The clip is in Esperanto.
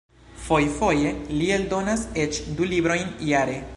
Fojfoje li eldonas eĉ du librojn jare.